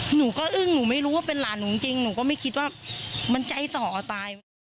หนูก็อึ้งหนูไม่รู้ว่าเป็นหลานหนูจริงหนูก็ไม่คิดว่ามันใจส่อตาย